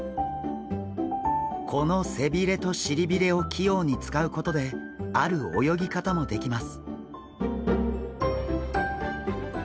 この背びれとしりびれを器用に使うことである泳ぎ方もできます。